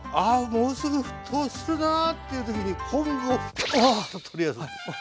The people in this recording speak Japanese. もうすぐ沸騰するなっていう時に昆布をあぁ！っと取り出す。